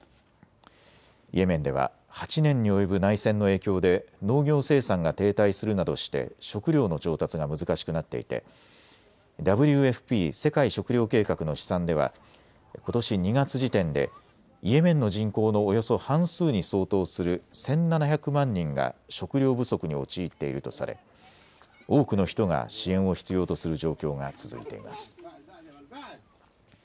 イエメンでは８年に及ぶ内戦の影響で農業生産が停滞するなどして食料の調達が難しくなっていてＷＦＰ・世界食糧計画の試算ではことし２月時点でイエメンの人口のおよそ半数に相当する１７００万人が食料不足に陥っているとされ多くの人が支援を必要とする状況が続いています。